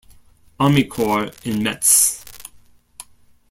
Army Corps in Metz.